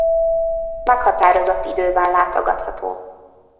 Meghatározott időben látogatható.